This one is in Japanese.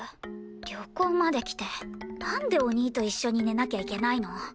旅行まで来てなんでお兄と一緒に寝なきゃいけないの！？